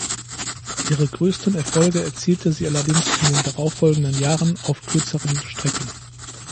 Ihre größten Erfolge erzielte sie allerdings in den darauffolgenden Jahren auf kürzeren Strecken.